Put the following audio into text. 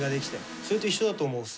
それと一緒だと思うんっす。